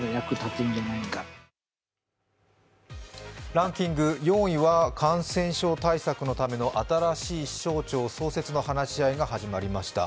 ランキング４位は感染症対策のための新しい省庁創設の話が上がりました。